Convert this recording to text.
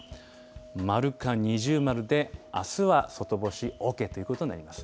丸か二重丸で、あすは外干しＯＫということになります。